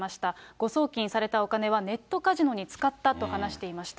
誤送金されたお金はネットカジノに使ったと話していました。